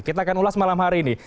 kita akan ulas malam hari ini